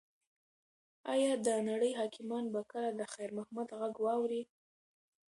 ایا د نړۍ حاکمان به کله د خیر محمد غږ واوري؟